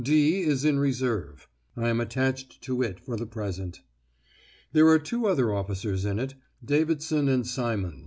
'D' is in reserve; I am attached to it for the present. There are two other officers in it, Davidson and Symons.